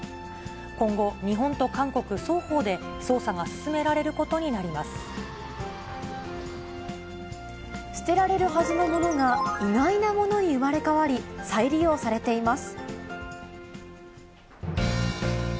今後、日本と韓国双方で、捨てられるはずのものが、意外なものに生まれ変わり、再利用されています。